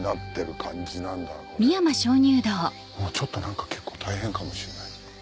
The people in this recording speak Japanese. もうちょっと何か結構大変かもしれない。